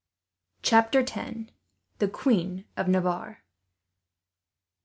Chapter 10: The Queen Of Navarre.